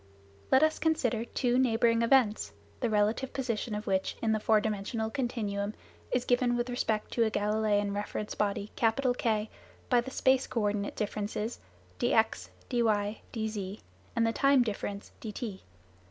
Let us consider two neighbouring events, the relative position of which in the four dimensional continuum is given with respect to a Galileian reference body K by the space co ordinate differences dx, dy, dz and the time difference dt.